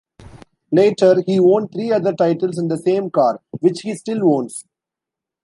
Later he won three other titles in the same car, which he still owns.